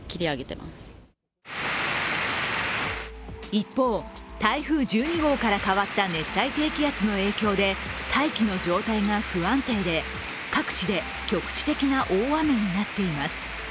一方、台風１２号から変わった熱帯低気圧の影響で大気の状態が不安定で、各地で局地的な大雨になっています。